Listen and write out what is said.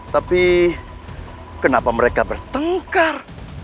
tapi kenapa mereka bertengkar